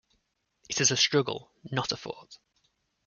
It is a struggle, not a thought.